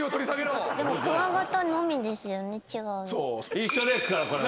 一緒ですからこれは。